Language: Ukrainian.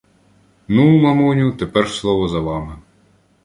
— Ну, мамуню, тепер слово за вами.